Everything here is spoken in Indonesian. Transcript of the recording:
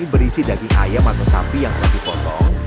berisi daging ayam atau sapi yang telah dipotong